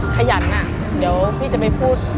ขยันอ่ะเดี๋ยวพี่จะไปพูด